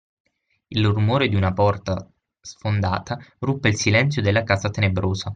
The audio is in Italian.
Il rumore di una porta sfondata ruppe il silenzio della casa tenebrosa.